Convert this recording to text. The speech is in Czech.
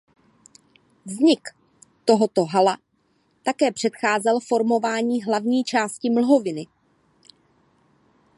Vznik tohoto hala také předcházel formování hlavní části mlhoviny.